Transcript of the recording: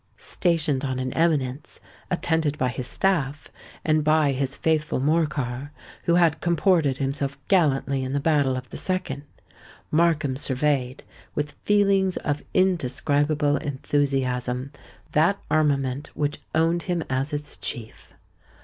Stationed on an eminence, attended by his staff, and by his faithful Morcar, who had comported himself gallantly in the battle of the 2d, Markham surveyed, with feelings of indescribable enthusiasm, that armament which owned him as its chief.